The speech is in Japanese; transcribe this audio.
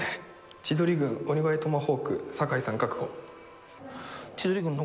千鳥軍、鬼越トマホーク坂井さん確保。